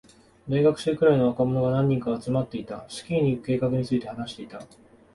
大学生くらいの若者が何人か集まっていた。スキーに行く計画について話していた。